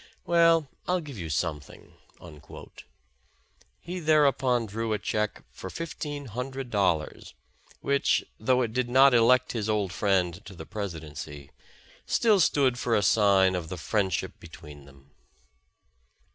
Well, I'll give you something." He thereupon drew a check for fifteen hundred dollars, which, though it did not elect his old friend to the Presidency, still stood for a sign of the friejidship between them.